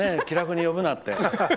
気楽に呼ぶなって。